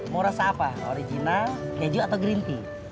mau rasa apa original keju atau green tea